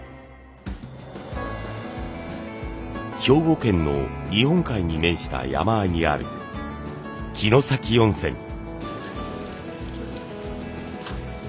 兵庫県の日本海に面した山あいにある城崎温泉。